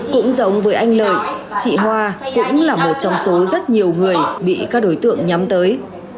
cũng giống với anh lợi chị hoa cũng là một trong số rất nhiều người bị các đối tượng nhắm tới